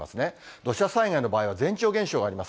土砂災害の場合は、前兆現象があります。